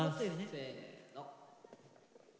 せの。